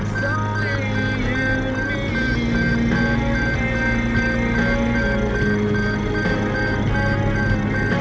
สวัสดีครับที่ได้รับความรักของคุณ